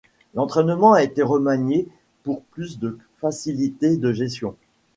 L'entraînement a été remanié pour plus de facilité de gestion.